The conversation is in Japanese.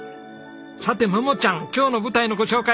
さて桃ちゃん今日の舞台のご紹介